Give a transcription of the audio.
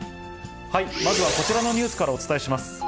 まずはこちらのニュースからお伝えします。